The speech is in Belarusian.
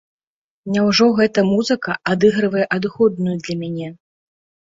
Няўжо гэта музыка адыгрывае адыходную для мяне?